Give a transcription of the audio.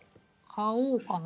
買おうかな。